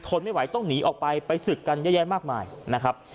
ไม่ไหวต้องหนีออกไปไปศึกกันเยอะแยะมากมายนะครับ